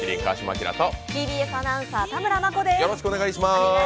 ＴＢＳアナウンサー・田村真子です。